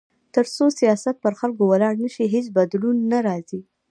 تر څو سیاست پر خلکو ولاړ نه شي، هیڅ بدلون نه راځي.